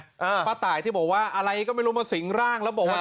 ป้าตายที่บอกว่าอะไรก็ไม่รู้มาสิงร่างแล้วบอกว่า